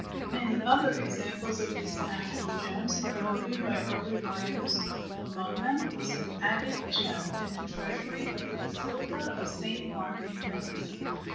Many other examples of these "natural gems" are noted by early writers. Among them was an agate gem in the treasury of the Basilica of St. Mark, in Venice.